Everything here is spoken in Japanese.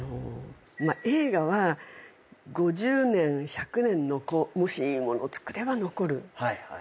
映画は５０年１００年のもしいいものを作れば残ると思うんですね。